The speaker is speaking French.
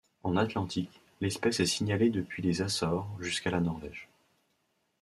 En Atlantique, l'espèce est signalée depuis les Açores jusqu'à la Norvège.